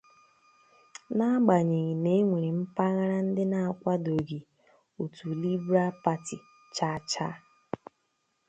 n’agbanyeghị na e nwere mpaghara ndị na-akwadoghị otu Libral Pati chacha